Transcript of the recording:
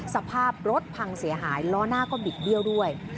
สภาพรถพังเสียหายล้อหน้าก็บิดเบี้ยวด้วย